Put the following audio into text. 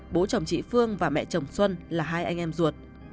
bố chồng chị phương và mẹ chồng xuân là hai anh em ruột